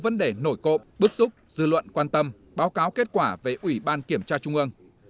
vấn đề nổi cộng bức xúc dư luận quan tâm báo cáo kết quả về ủy ban kiểm tra trung ương